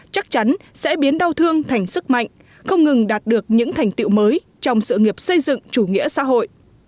chắc chắn sẽ biến đau thương thành sức mạnh không ngừng đạt được những thành tiệu mới trong sự nghiệp xây dựng chủ nghĩa xã hội